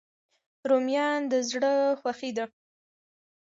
رومیان د زړه خوښي دي